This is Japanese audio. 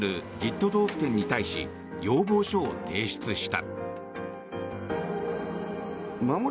都道府県に対し要望書を提出した。